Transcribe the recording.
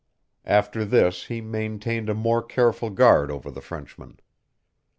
After this he maintained a more careful guard over the Frenchman.